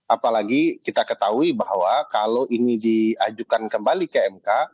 apalagi kita ketahui bahwa kalau ini diajukan kembali ke mk